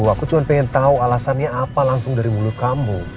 aku cuma pengen tahu alasannya apa langsung dari mulut kamu